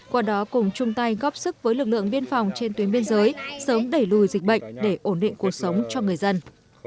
qua đó cùng chung tay góp sức với lực lượng biên phòng trên tuyến biên giới sớm đẩy lùi dịch bệnh để ổn định cuộc sống cho người dân